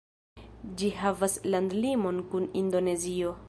Ĝi havas landlimon kun Indonezio.